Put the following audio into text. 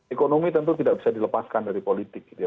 ekonomi tentu tidak bisa dilepaskan dari politik gitu ya